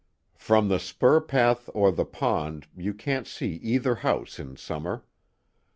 "From the spur path or the pond, you can't see either house in summer.